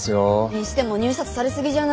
にしても入札されすぎじゃない？